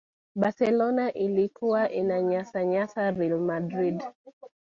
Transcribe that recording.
barcelona ilikuwa inainyanyasa real madrid